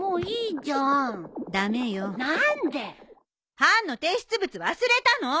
班の提出物忘れたの！